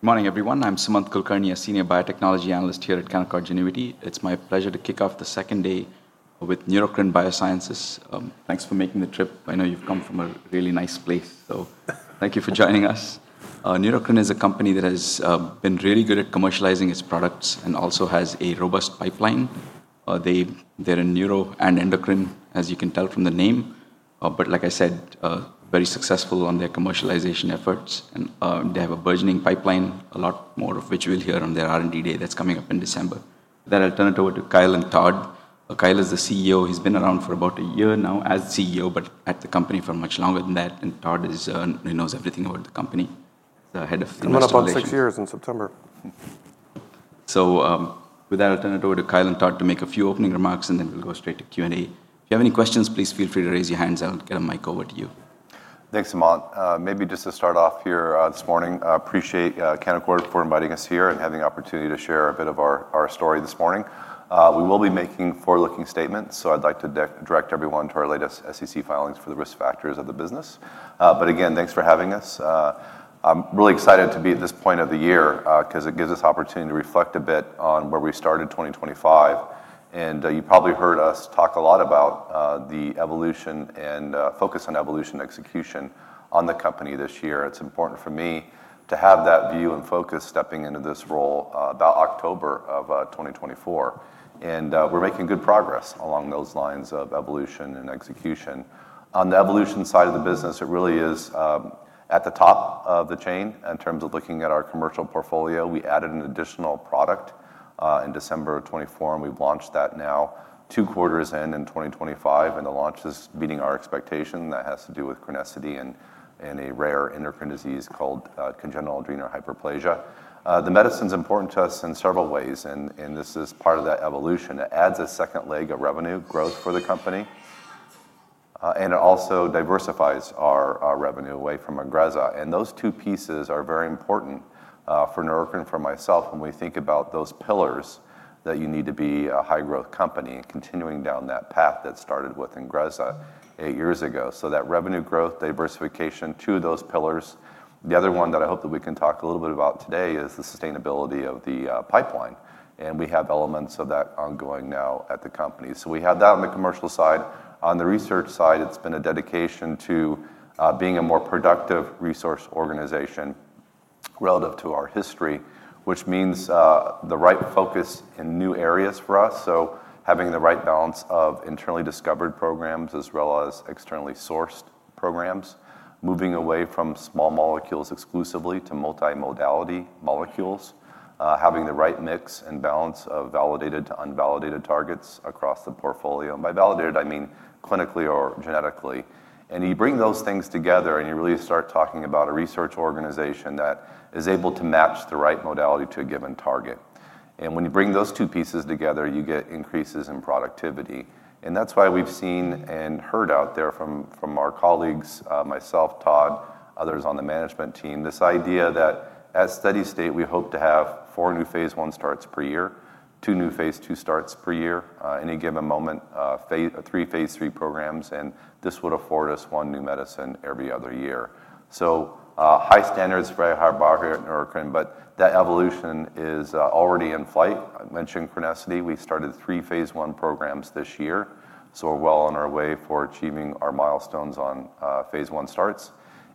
Good morning, everyone. I'm Sumanth Kulkarni, a Senior Biotechnology Analyst here at Canaccord Genuity. It's my pleasure to kick off the second day with Neurocrine Biosciences. Thanks for making the trip. I know you've come from a really nice place, so thank you for joining us. Neurocrine is a company that has been really good at commercializing its products and also has a robust pipeline. They're in neuro and endocrine, as you can tell from the name. Very successful on their commercialization efforts, and they have a burgeoning pipeline, a lot more of which we'll hear on their R&D Day that's coming up in December. With that, I'll turn it over to Kyle and Todd. Kyle is the CEO. He's been around for about a year now as CEO, but at the company for much longer than that. Todd is, he knows everything about the company. Not a problem. Six years in September. With that, I'll turn it over to Kyle and Todd to make a few opening remarks, and then we'll go straight to Q&A. If you have any questions, please feel free to raise your hands. I'll get a mic over to you. Thanks, Sumanth. Maybe just to start off here this morning, I appreciate Canaccord for inviting us here and having the opportunity to share a bit of our story this morning. We will be making forward-looking statements, so I'd like to direct everyone to our latest SEC filings for the risk factors of the business. Again, thanks for having us. I'm really excited to be at this point of the year because it gives us the opportunity to reflect a bit on where we started 2025. You probably heard us talk a lot about the evolution and focus on evolution execution on the company this year. It's important for me to have that view and focus stepping into this role about October of 2024. We're making good progress along those lines of evolution and execution. On the evolution side of the business, it really is at the top of the chain in terms of looking at our commercial portfolio. We added an additional product in December of 2024, and we've launched that now two quarters in in 2025. The launch is meeting our expectation. That has to do with CRENESSITY and a rare endocrine disease called congenital adrenal hyperplasia. The medicine is important to us in several ways, and this is part of that evolution. It adds a second leg of revenue growth for the company, and it also diversifies our revenue away from INGREZZA. Those two pieces are very important for Neurocrine and for myself when we think about those pillars that you need to be a high-growth company and continuing down that path that started with INGREZZA eight years ago. That revenue growth, diversification to those pillars. The other one that I hope that we can talk a little bit about today is the sustainability of the pipeline. We have elements of that ongoing now at the company. We have that on the commercial side. On the research side, it's been a dedication to being a more productive resource organization relative to our history, which means the right focus in new areas for us. Having the right balance of internally discovered programs as well as externally sourced programs, moving away from small molecules exclusively to multimodality molecules, having the right mix and balance of validated to unvalidated targets across the portfolio. By validated, I mean clinically or genetically. You bring those things together and you really start talking about a research organization that is able to match the right modality to a given target. When you bring those two pieces together, you get increases in productivity. That is why we've seen and heard out there from our colleagues, myself, Todd, others on the management team, this idea that at steady state, we hope to have four new Phase 1 starts per year, two new Phase 2 starts per year, any given moment, three Phase 3 programs, and this would afford us one new medicine every other year. High standards, very high bar here at Neurocrine, but that evolution is already in flight. I mentioned CRENESSITY. We've started three Phase 1 programs this year. We are well on our way for achieving our milestones on Phase 1 starts.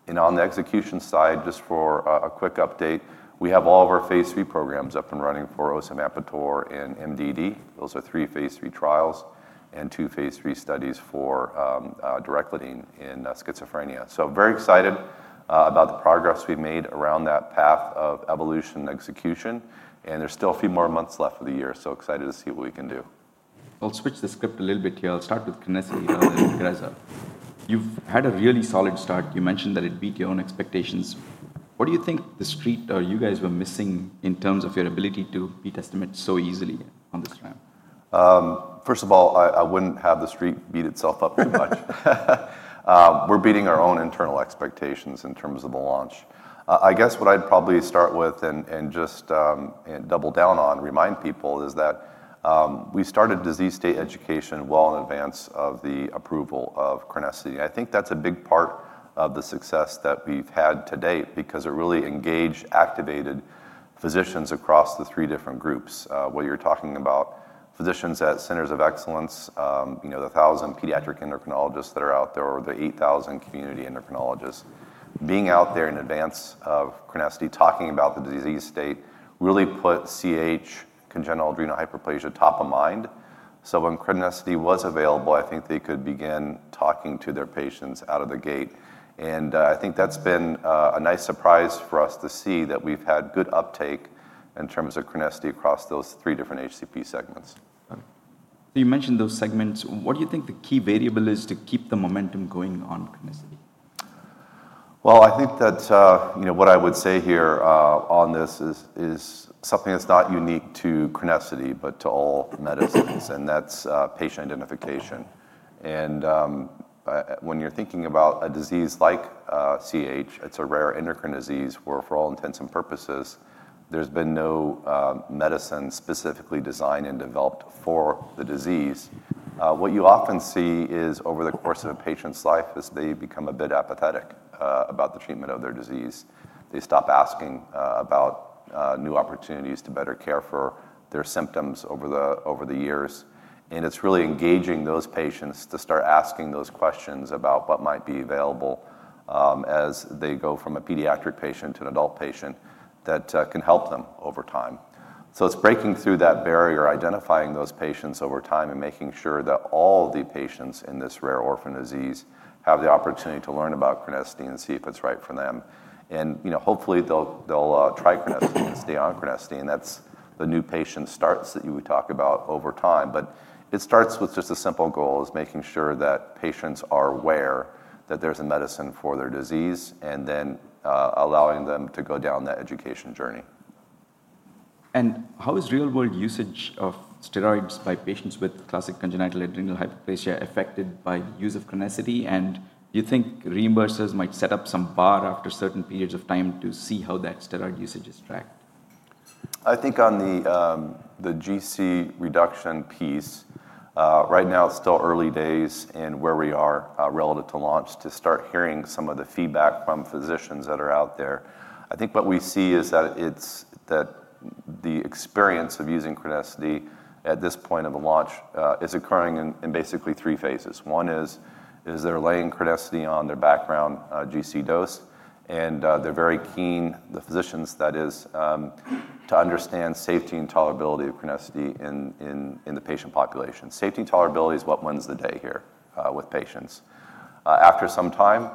On the execution side, just for a quick update, we have all of our Phase 3 programs up and running for osavampator in MDD. Those are three Phase 3 trials and two Phase 3 studies for dracoledine in schizophrenia. Very excited about the progress we've made around that path of evolution and execution. There are still a few more months left of the year. Excited to see what we can do. I'll switch the script a little bit here. I'll start with CRENESSITY over INGREZZA. You've had a really solid start. You mentioned that it beat your own expectations. What do you think the street or you guys were missing in terms of your ability to beat estimates so easily on this round? First of all, I wouldn't have the street beat itself up too much. We're beating our own internal expectations in terms of the launch. I guess what I'd probably start with and just double down on, remind people, is that we started disease state education well in advance of the approval of CRENESSITY. I think that's a big part of the success that we've had to date because it really engaged activated physicians across the three different groups. What you're talking about, physicians at centers of excellence, you know, the 1,000 pediatric endocrinologists that are out there, or the 8,000 community endocrinologists, being out there in advance of CRENESSITY, talking about the disease state, really put CAH, congenital adrenal hyperplasia, top of mind. When CRENESSITY was available, I think they could begin talking to their patients out of the gate. I think that's been a nice surprise for us to see that we've had good uptake in terms of CRENESSITY across those three different HCP segments. You mentioned those segments. What do you think the key variable is to keep the momentum going on CRENESSITY? I think that what I would say here on this is something that's not unique to CRENESSITY, but to all medicines, and that's patient identification. When you're thinking about a disease like CAH, it's a rare endocrine disease where, for all intents and purposes, there's been no medicine specifically designed and developed for the disease. What you often see is over the course of a patient's life, as they become a bit apathetic about the treatment of their disease, they stop asking about new opportunities to better care for their symptoms over the years. It's really engaging those patients to start asking those questions about what might be available as they go from a pediatric patient to an adult patient that can help them over time. It's breaking through that barrier, identifying those patients over time, and making sure that all the patients in this rare orphan disease have the opportunity to learn about CRENESSITY and see if it's right for them. Hopefully they'll try to stay on CRENESSITY. That's the new patient starts that we talk about over time. It starts with just a simple goal: making sure that patients are aware that there's a medicine for their disease and then allowing them to go down that education journey. How is real-world usage of steroids by patients with classic congenital adrenal hyperplasia affected by the use of CRENESSITY? Do you think reimbursers might set up some bar after certain periods of time to see how that steroid usage is tracked? I think on the GC-reduction piece, right now it's still early days and where we are relative to launch to start hearing some of the feedback from physicians that are out there. I think what we see is that the experience of using CRENESSITY at this point of a launch is occurring in basically three phases. One is they're laying CRENESSITY on their background GC dose, and they're very keen, the physicians, that is, to understand safety and tolerability of CRENESSITY in the patient population. Safety and tolerability is what wins the day here with patients. After some time,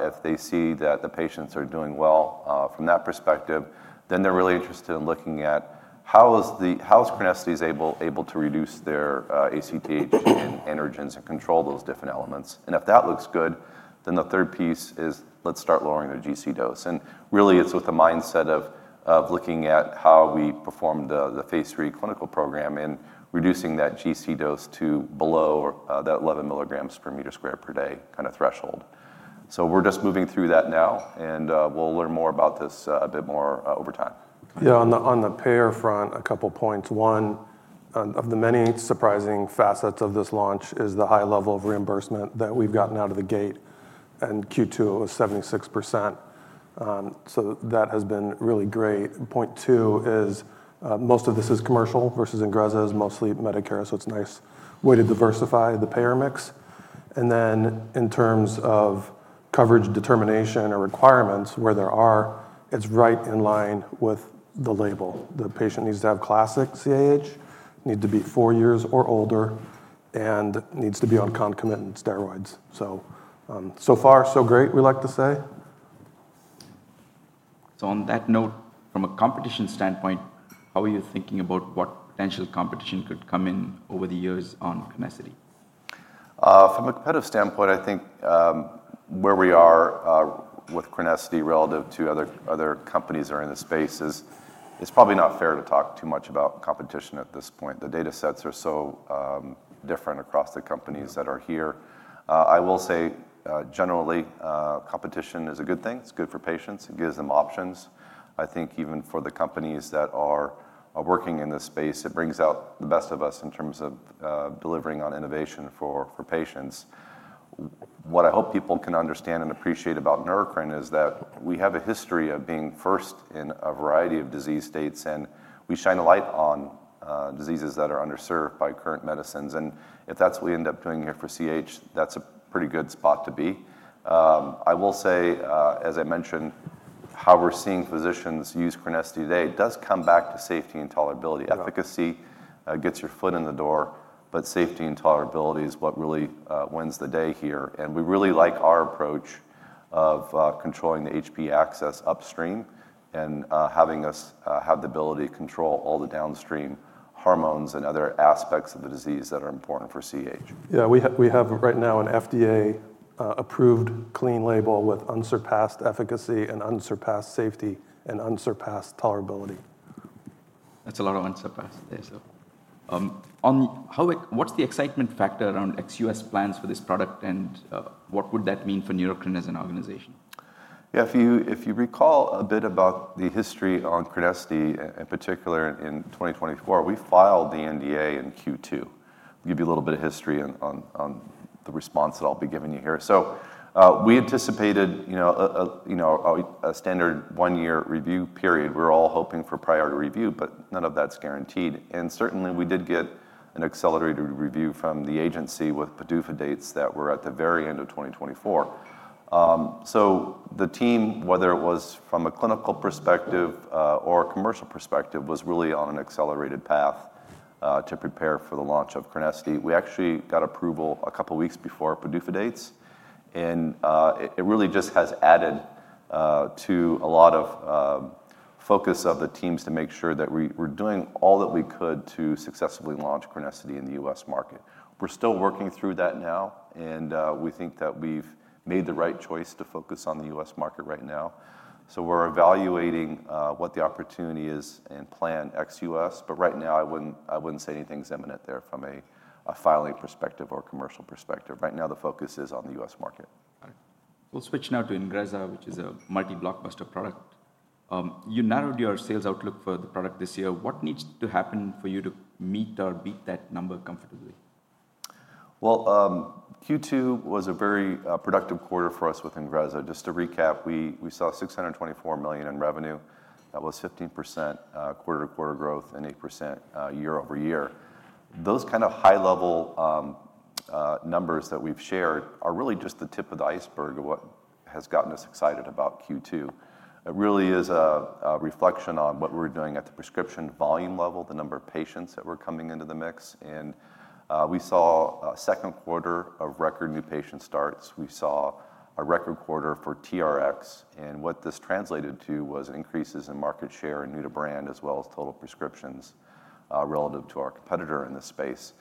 if they see that the patients are doing well from that perspective, they're really interested in looking at how CRENESSITY is able to reduce their ACTH and androgens and control those different elements. If that looks good, the third piece is let's start lowering their GC dose. Really, it's with the mindset of looking at how we performed the Phase 3 clinical program and reducing that GC dose to below that 11 mg/m² per day kind of threshold. We're just moving through that now, and we'll learn more about this a bit more over time. Yeah, on the payer front, a couple of points. One of the many surprising facets of this launch is the high level of reimbursement that we've gotten out of the gate. In Q2, it was 76%. That has been really great. Point two is most of this is commercial versus INGREZZA is mostly Medicare, so it's a nice way to diversify the payer mix. In terms of coverage determination or requirements where there are, it's right in line with the label. The patient needs to have classic CAH, needs to be four years or older, and needs to be on concomitant steroids. So far, so great, we like to say. On that note, from a competition standpoint, how are you thinking about what potential competition could come in over the years on CRENESSITY? From a competitive standpoint, I think where we are with CRENESSITY relative to other companies that are in the space is it's probably not fair to talk too much about competition at this point. The data sets are so different across the companies that are here. I will say generally, competition is a good thing. It's good for patients. It gives them options. I think even for the companies that are working in this space, it brings out the best of us in terms of delivering on innovation for patients. What I hope people can understand and appreciate about Neurocrine is that we have a history of being first in a variety of disease states, and we shine a light on diseases that are underserved by current medicines. If that's what we end up doing here for CAH, that's a pretty good spot to be. I will say, as I mentioned, how we're seeing physicians use CRENESSITY today does come back to safety and tolerability. Efficacy gets your foot in the door, but safety and tolerability is what really wins the day here. We really like our approach of controlling the HPA axis upstream and having us have the ability to control all the downstream hormones and other aspects of the disease that are important for CAH. Yeah, we have right now an FDA-approved clean label with unsurpassed efficacy, unsurpassed safety, and unsurpassed tolerability. That's a lot of unsurpassed there. What is the excitement factor around ex-U.S. plans for this product and what would that mean for Neurocrine as an organization? Yeah, if you recall a bit about the history on CRENESSITY, in particular in 2024, we filed the NDA in Q2. I'll give you a little bit of history on the responses I'll be giving you here. We anticipated, you know, a standard one-year review period. We're all hoping for priority review, but none of that's guaranteed. We did get an accelerated review from the agency with PDUFA dates that were at the very end of 2024. The team, whether it was from a clinical perspective or a commercial perspective, was really on an accelerated path to prepare for the launch of CRENESSITY. We actually got approval a couple of weeks before PDUFA dates, and it really just has added to a lot of focus of the teams to make sure that we were doing all that we could to successfully launch CRENESSITY in the U.S. market. We're still working through that now, and we think that we've made the right choice to focus on the U.S. market right now. We're evaluating what the opportunity is and plan ex-U.S. Right now, I wouldn't say anything is imminent there from a filing perspective or commercial perspective. Right now, the focus is on the U.S. market. We'll switch now to INGREZZA, which is a multi-blockbuster product. You narrowed your sales outlook for the product this year. What needs to happen for you to meet or beat that number comfortably? Q2 was a very productive quarter for us with INGREZZA. Just to recap, we saw $624 million in revenue. That was 15% quarter-to-quarter growth and 8% year-over-year. Those kind of high-level numbers that we've shared are really just the tip of the iceberg of what has gotten us excited about Q2. It really is a reflection on what we're doing at the prescription volume level, the number of patients that were coming into the mix. We saw a second quarter of record new patient starts. We saw a record quarter for TRX. What this translated to was increases in market share and new to brand, as well as total prescriptions relative to our competitor in this space.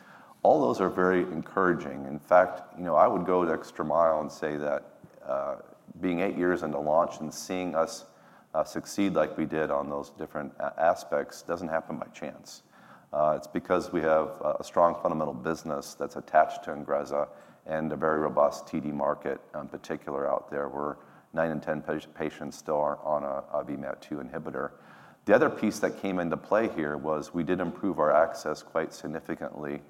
All those are very encouraging. In fact, I would go the extra mile and say that being eight years into launch and seeing us succeed like we did on those different aspects doesn't happen by chance. It's because we have a strong fundamental business that's attached to INGREZZA and a very robust TD market in particular out there where nine in 10 patients still are on a VMAT2 inhibitor. The other piece that came into play here was we did improve our access quite significantly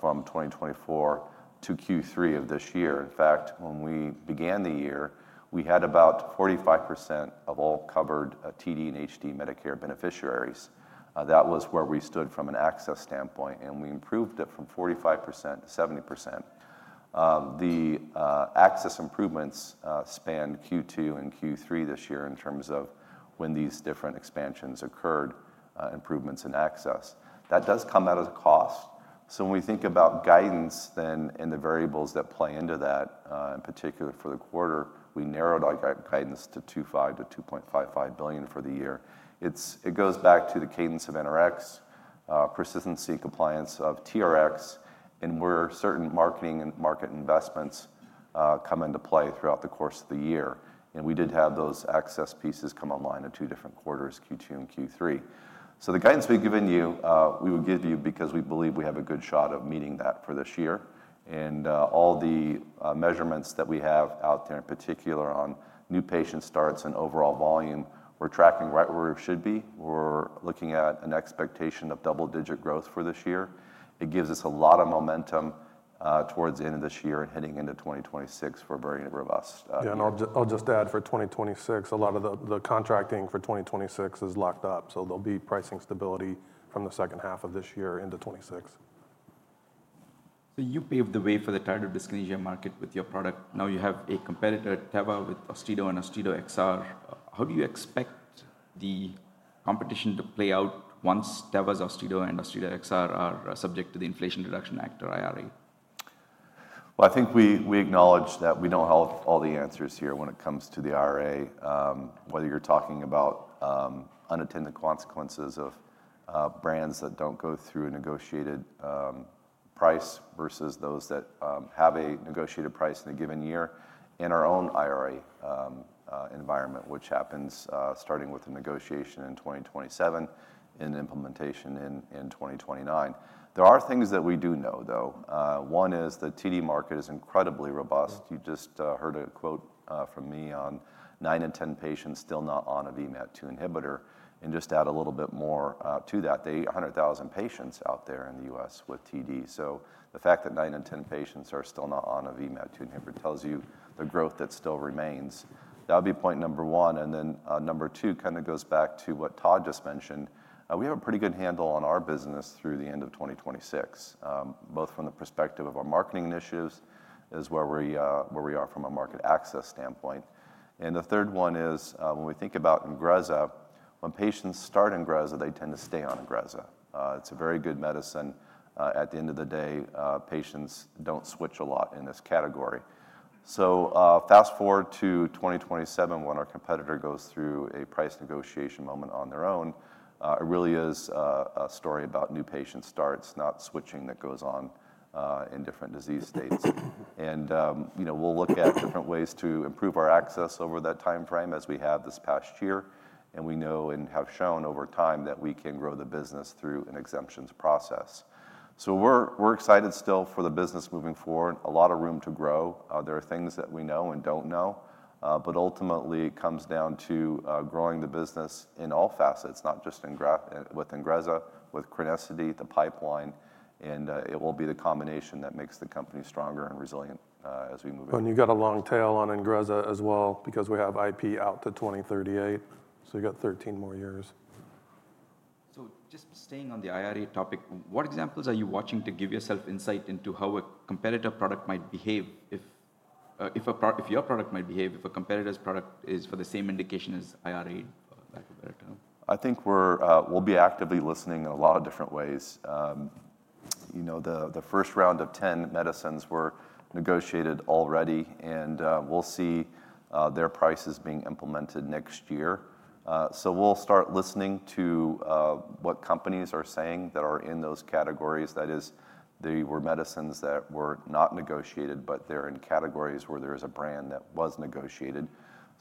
from 2024 to Q3 of this year. In fact, when we began the year, we had about 45% of all covered TD and HD Medicare beneficiaries. That was where we stood from an access standpoint, and we improved it from 45% to 70%. The access improvements spanned Q2 and Q3 this year in terms of when these different expansions occurred, improvements in access. That does come at a cost. When we think about guidance, then in the variables that play into that, in particular for the quarter, we narrowed our guidance to $2.5 billion-$2.55 billion for the year. It goes back to the cadence of NRX, persistency and compliance of TRX, and where certain marketing and market investments come into play throughout the course of the year. We did have those access pieces come online in two different quarters, Q2 and Q3. The guidance we've given you, we will give you because we believe we have a good shot of meeting that for this year. All the measurements that we have out there, in particular on new patient starts and overall volume, we're tracking right where it should be. We're looking at an expectation of double-digit growth for this year. It gives us a lot of momentum towards the end of this year and heading into 2026 for very robust. Yeah, I'll just add for 2026, a lot of the contracting for 2026 is locked up. There'll be pricing stability from the second half of this year into 2026. You paved the way for the tardive dyskinesia market with your product. Now you have a competitor, Teva, with AUSTEDO and AUSTEDO XR. How do you expect the competition to play out once Teva's AUSTEDO and AUSTEDO XR are subject to the Inflation Reduction Act or IRA? I think we acknowledge that we don't have all the answers here when it comes to the IRA, whether you're talking about unintended consequences of brands that don't go through a negotiated price versus those that have a negotiated price in a given year. In our own IRA environment, which happens starting with a negotiation in 2027 and implementation in 2029, there are things that we do know, though. One is the TD market is incredibly robust. You just heard a quote from me on nine in 10 patients still not on a VMAT2 inhibitor. To add a little bit more to that, there are 100,000 patients out there in the U.S. with TD. The fact that nine in 10 patients are still not on a VMAT2 inhibitor tells you the growth that still remains. That would be point number one. Number two goes back to what Todd just mentioned. We have a pretty good handle on our business through the end of 2026, both from the perspective of our marketing initiatives as well as where we are from a market access standpoint. The third one is when we think about INGREZZA, when patients start INGREZZA, they tend to stay on INGREZZA. It's a very good medicine. At the end of the day, patients don't switch a lot in this category. Fast forward to 2027 when our competitor goes through a price negotiation moment on their own. It really is a story about new patient starts, not switching that goes on in different disease states. We will look at different ways to improve our access over that timeframe as we have this past year. We know and have shown over time that we can grow the business through an exemptions process. We are excited still for the business moving forward. A lot of room to grow. There are things that we know and don't know. Ultimately, it comes down to growing the business in all facets, not just with INGREZZA, with CRENESSITY, the pipeline. It will be the combination that makes the company stronger and resilient as we move it. You've got a long tail on INGREZZA as well because we have IP out to 2038, so you got 13 more years. Just staying on the IRA topic, what examples are you watching to give yourself insight into how a competitor product might behave? If your product might behave if a competitor's product is for the same indication as IRA? I think we'll be actively listening in a lot of different ways. The first round of 10 medicines were negotiated already, and we'll see their prices being implemented next year. We'll start listening to what companies are saying that are in those categories. That is, they were medicines that were not negotiated, but they're in categories where there's a brand that was negotiated.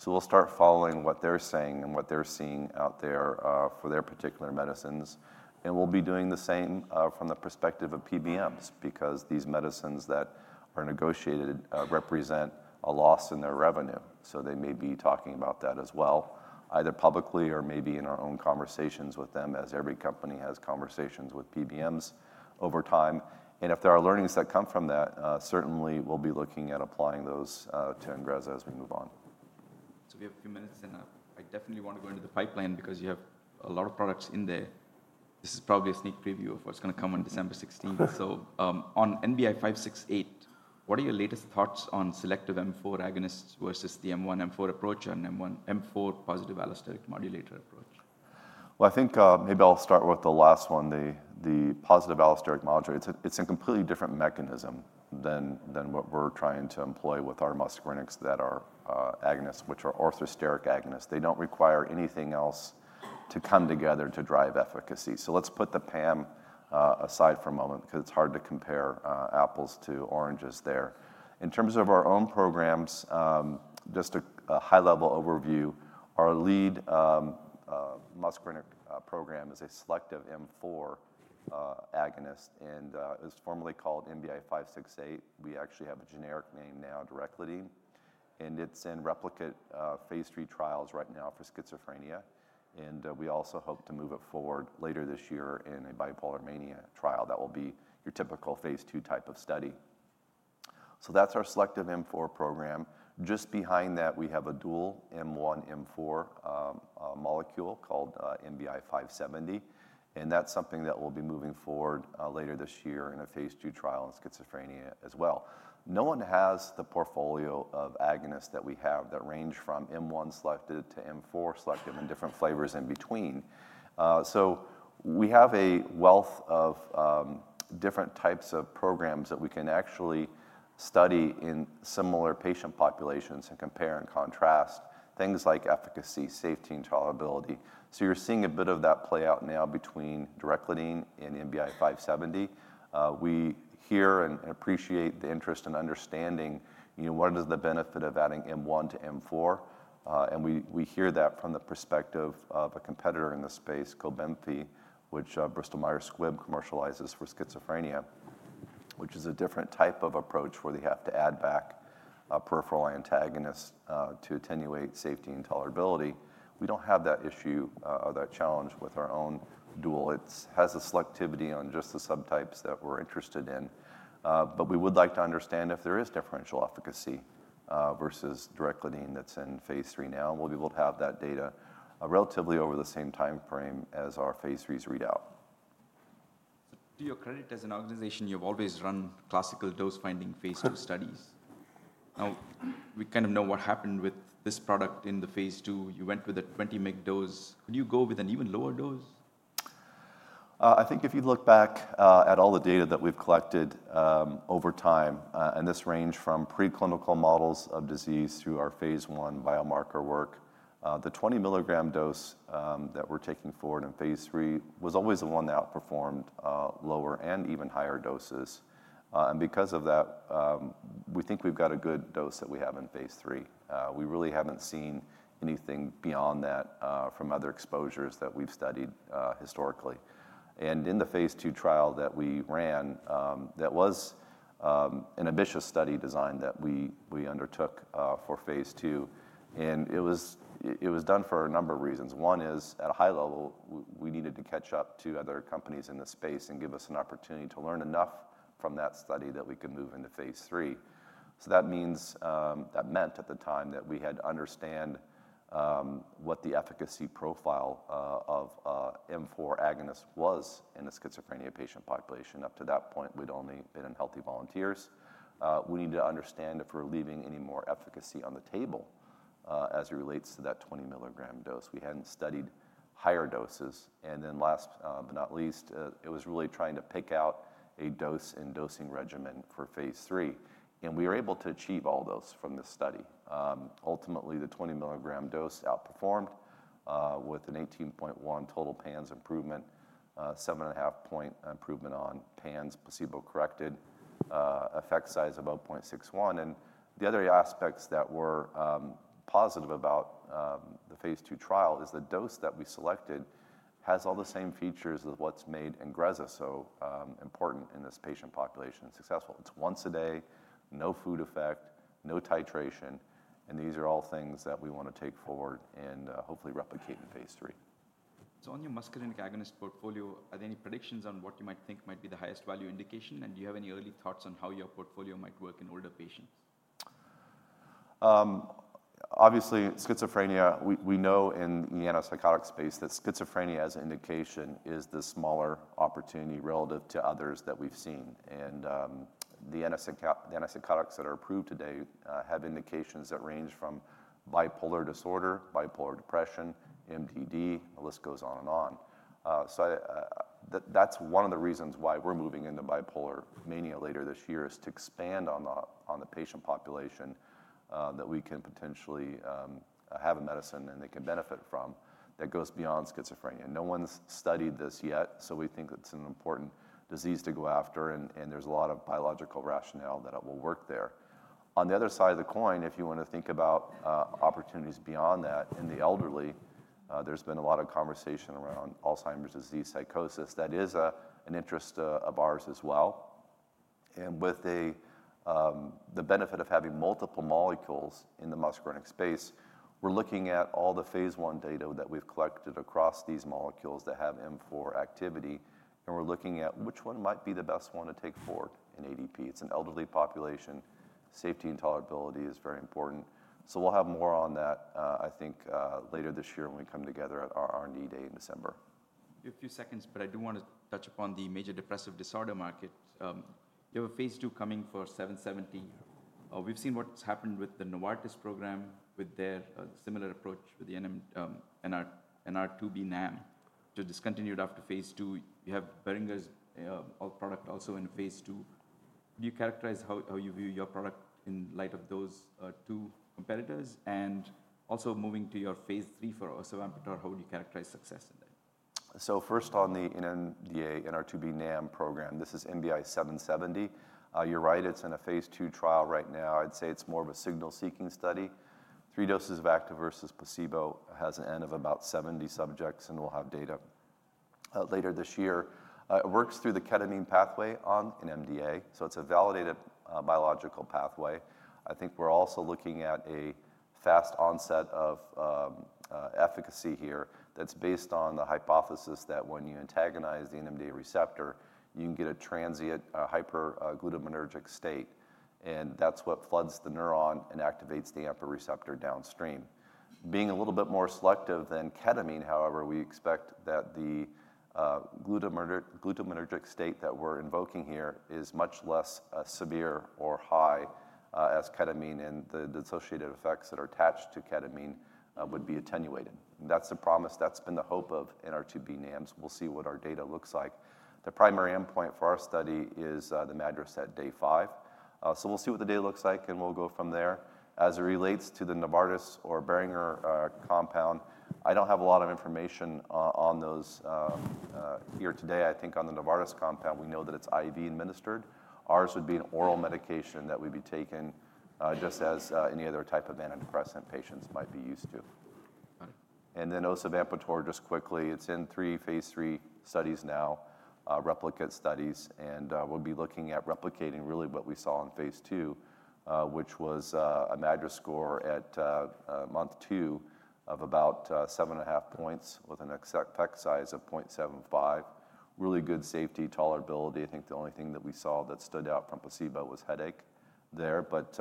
We'll start following what they're saying and what they're seeing out there for their particular medicines. We'll be doing the same from the perspective of PBMs because these medicines that are negotiated represent a loss in their revenue. They may be talking about that as well, either publicly or maybe in our own conversations with them as every company has conversations with PBMs over time. If there are learnings that come from that, certainly we'll be looking at applying those to INGREZZA as we move on. We have a few minutes, and I definitely want to go into the pipeline because you have a lot of products in there. This is probably a sneak preview of what's going to come on December 16. On NBI-'568, what are your latest thoughts on selective M4 agonists versus the dual M1/M4 approach and M1/M4 positive allosteric modulator approach? I think maybe I'll start with the last one, the positive allosteric modulator. It's a completely different mechanism than what we're trying to employ with our muscarinic agonists that are agonists, which are orthosteric agonists. They don't require anything else to come together to drive efficacy. Let's put the PAM aside for a moment because it's hard to compare apples to oranges there. In terms of our own programs, just a high-level overview, our lead muscarinic program is a selective M4 agonist, and it was formerly called NBI-'568. We actually have a generic name now, dracoledine. It's in replicate Phase 3 trials right now for schizophrenia. We also hope to move it forward later this year in a bipolar mania trial that will be your typical Phase 3 type of study. That's our selective M4 program. Just behind that, we have a dual M1/M4 molecule called NBI-'570. That's something that we'll be moving forward later this year in a Phase 2 trial in schizophrenia as well. No one has the portfolio of agonists that we have that range from M1 selective to M4 selective and different flavors in between. We have a wealth of different types of programs that we can actually study in similar patient populations and compare and contrast things like efficacy, safety, and tolerability. You're seeing a bit of that play out now between dracoledine and NBI-'570. We hear and appreciate the interest in understanding, you know, what is the benefit of adding M1 to M4. We hear that from the perspective of a competitor in this space, COBENFY, which Bristol Myers Squibb commercializes for schizophrenia, which is a different type of approach where they have to add back peripheral antagonists to attenuate safety and tolerability. We don't have that issue or that challenge with our own dual. It has a selectivity on just the subtypes that we're interested in. We would like to understand if there is differential efficacy versus dracoledine that's in Phase 3 now. We'll be able to have that data relatively over the same timeframe as our Phase 3s read out. To your credit, as an organization, you've always run classical dose-finding Phase studies. Now, we kind of know what happened with this product in the Phase 2. You went with a 20-mg dose. Could you go with an even lower dose? I think if you look back at all the data that we've collected over time, and this ranged from preclinical models of disease through our Phase 1 biomarker work, the 20-mg dose that we're taking forward in Phase 3 was always the one that outperformed lower and even higher doses. Because of that, we think we've got a good dose that we have in Phase 3. We really haven't seen anything beyond that from other exposures that we've studied historically. In the Phase 2 trial that we ran, that was an ambitious study design that we undertook for Phase 2. It was done for a number of reasons. One is, at a high level, we needed to catch up to other companies in the space and give us an opportunity to learn enough from that study that we could move into Phase 3. That meant at the time that we had to understand what the efficacy profile of M4 agonists was in a schizophrenia patient population. Up to that point, we'd only been in healthy volunteers. We needed to understand if we're leaving any more efficacy on the table as it relates to that 20-mg dose. We hadn't studied higher doses. Last but not least, it was really trying to pick out a dose and dosing regimen for Phase 3. We were able to achieve all those from this study. Ultimately, the 20-mg dose outperformed with an 18.1 total PANS improvement, 7.5 point improvement on PANS placebo-corrected effect size of 0.61. The other aspects that were positive about the Phase 2 trial is the dose that we selected has all the same features of what's made INGREZZA so important in this patient population successful. It's once a day, no food effect, no titration. These are all things that we want to take forward and hopefully replicate in Phase 3. On your muscarinic agonist portfolio, are there any predictions on what you might think might be the highest value indication? Do you have any early thoughts on how your portfolio might work in older patients? Obviously, schizophrenia, we know in the antipsychotic space that schizophrenia as an indication is the smaller opportunity relative to others that we've seen. The antipsychotics that are approved today have indications that range from bipolar disorder, bipolar depression, MDD, the list goes on and on. That's one of the reasons why we're moving into bipolar mania later this year is to expand on the patient population that we can potentially have a medicine that they can benefit from that goes beyond schizophrenia. No one's studied this yet, we think it's an important disease to go after, and there's a lot of biological rationale that it will work there. On the other side of the coin, if you want to think about opportunities beyond that in the elderly, there's been a lot of conversation around Alzheimer's disease psychosis. That is an interest of ours as well. With the benefit of having multiple molecules in the muscarinic space, we're looking at all the Phase 2 data that we've collected across these molecules that have M4 activity, and we're looking at which one might be the best one to take forward in ADP. It's an elderly population. Safety and tolerability is very important. We'll have more on that, I think, later this year when we come together at our R&D Day in December. You have a few seconds, but I do want to touch upon the major depressive disorder market. You have a Phase 2 coming for NBI-'770. We've seen what's happened with the Novartis program with their similar approach with the NR2B NAM. They're discontinued after Phase 2. You have Boehringer's product also in Phase 2. Do you characterize how you view your product in light of those two competitors? Also, moving to your Phase 3 for osavampator, how would you characterize success in that? First on the NMDA NR2B NAM program, this is NBI-'770. You're right, it's in a Phase 2 trial right now. I'd say it's more of a signal-seeking study. Three doses of active versus placebo has an N of about 70 subjects, and we'll have data later this year. It works through the ketamine pathway on NMDA, so it's a validated biological pathway. I think we're also looking at a fast onset of efficacy here that's based on the hypothesis that when you antagonize the NMDA receptor, you can get a transient hyperglutaminergic state, and that's what floods the neuron and activates the AMPA receptor downstream. Being a little bit more selective than ketamine, however, we expect that the glutamatergic state that we're invoking here is much less severe or high as ketamine, and the associated effects that are attached to ketamine would be attenuated. That's the promise that's been the hope of NR2B NAMs. We'll see what our data looks like. The primary endpoint for our study is the MADRS at day five. We'll see what the data looks like, and we'll go from there. As it relates to the Novartis or Boehringer compound, I don't have a lot of information on those here today. I think on the Novartis compound, we know that it's IV-administered. Ours would be an oral medication that would be taken just as any other type of antidepressant patients might be used to. Osavampator, just quickly, it's in three Phase 3 studies now, replicate studies, and we'll be looking at replicating really what we saw in Phase 2, which was a MADRS score at month two of about 7.5 points with an exact effect size of 0.75. Really good safety, tolerability. I think the only thing that we saw that stood out from placebo was headache there, but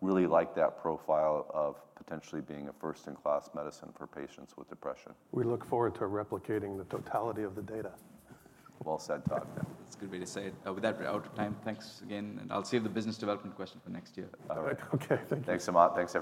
really liked that profile of potentially being a first-in-class medicine for patients with depression. We look forward to replicating the totality of the data. Well said, Todd. That's a good way to say it. With that, we're out of time. Thanks again. I'll save the business development question for next year. All right. Okay. Thank you. Thanks, Sumanth. Thanks.